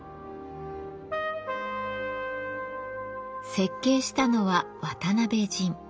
設計したのは渡辺仁。